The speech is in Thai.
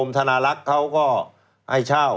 ธนาลักษณ์เขาก็ให้เช่า